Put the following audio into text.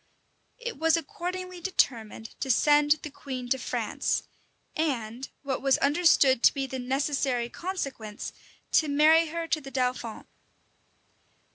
It was accordingly determined to send the queen to France; and, what was understood to be the necessary consequence, to marry her to the dauphin.